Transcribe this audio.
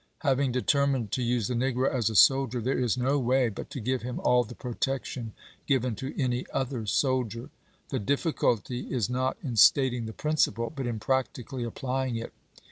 Having determined to use the negro as a soldier, there is no way but to give him all the protection given to any other soldier. The difficulty is not in stating the principle, but in practically applying it.